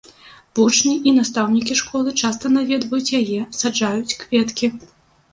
Вучні і настаўнікі школы часта наведваюць яе, саджаюць кветкі.